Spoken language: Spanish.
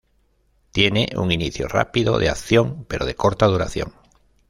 Tiene un inicio rápido de acción pero de corta duración.